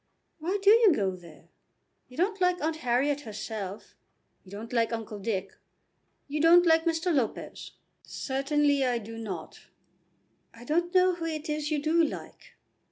"Why do you go there? You don't like Aunt Harriet herself. You don't like Uncle Dick. You don't like Mr. Lopez." "Certainly I do not." "I don't know who it is you do like."